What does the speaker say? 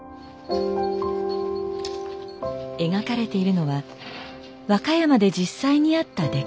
描かれているのは和歌山で実際にあった出来事。